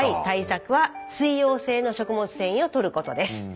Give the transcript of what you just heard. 対策は水溶性の食物繊維をとることです。